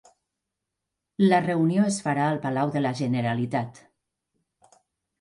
La reunió es farà al Palau de la Generalitat